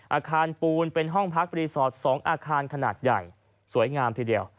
อาคารปูนเป็นห้องพักรีสอร์ท๒อาคารขนาดใหญ่สวยงามทีเดียว